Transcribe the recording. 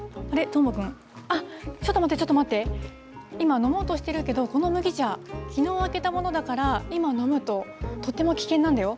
どーもくん、ちょっと待って、ちょっと待って、今、飲もうとしてるけど、この麦茶、きのう開けたものだから、今飲むととっても危険なんだよ。